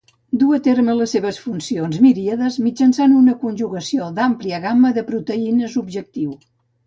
Duu a terme les seves funcions miríades mitjançant una conjugació d'àmplia gamma de proteïnes objectiu.